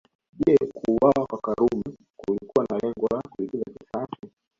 Je kuuawa kwa Karume kulikuwa na lengo la kulipiza kisasi